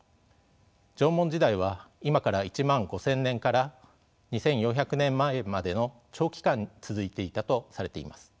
縄文時代は今から１万５，０００年から２，４００年前までの長期間続いていたとされています。